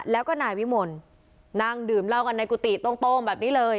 แล้วก็นายวิมลนั่งดื่มเหล้ากันในกุฏิโต้งแบบนี้เลย